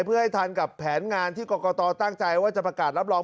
เพื่อให้ทันกับแผนงานที่กรกตตั้งใจว่าจะประกาศรับรอง